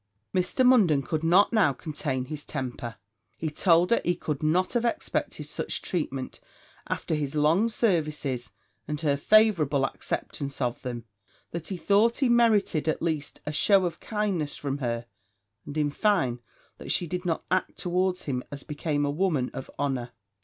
Mr. Munden could not now contain his temper he told her he could not have expected such treatment after his long services, and her favourable acceptance of them that he thought he merited, at least, a shew of kindness from her; and, in fine, that she did not act towards him as became a woman of honour.